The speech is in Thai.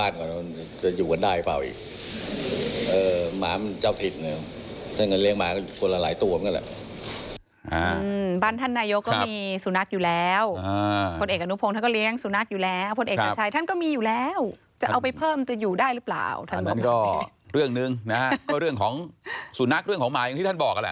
อันนั้นก็เรื่องนึงนะฮะก็เรื่องของสูนักเรื่องของหมายที่ท่านบอกอะแหละ